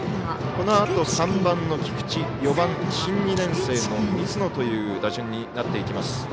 このあと、３番の菊地４番が新２年生の水野という打順になっていきます。